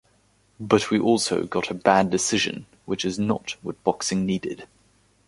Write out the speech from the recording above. But we also got a bad decision, which is not what boxing needed.